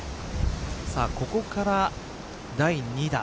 さあここから第２打。